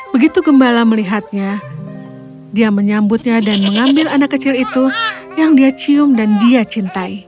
begitu gembala melihatnya dia menyambutnya dan mengambil anak kecil itu yang dia cium dan dia cintai